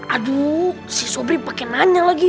aduh si sobri pake nanya lagi